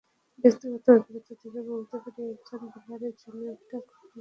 ব্যক্তিগত অভিজ্ঞতা থেকে বলতে পারি, একজন বোলারের জন্য এটা খুব কঠিন সময়।